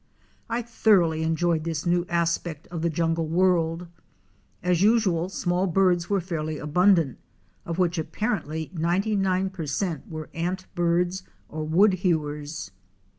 I thoroughly enjoyed this new aspect of the jungle world. As usual small birds were fairly abundant, of which appar ently 99 per cent. were Antbirds or Woodhewers.